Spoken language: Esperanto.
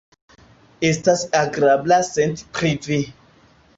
Estas agrabla senti pri Vi.